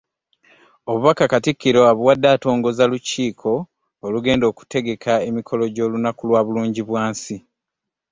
Obubaka katikkiro abuwadde atongoza lukiiko olugenda okutegeka emikolo gy'olunaku lwa Bulungibwansi